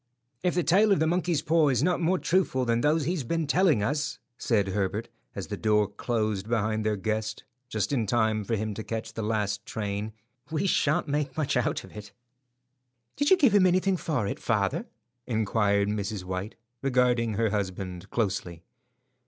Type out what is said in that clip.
"If the tale about the monkey's paw is not more truthful than those he has been telling us," said Herbert, as the door closed behind their guest, just in time for him to catch the last train, "we sha'nt make much out of it." "Did you give him anything for it, father?" inquired Mrs. White, regarding her husband closely.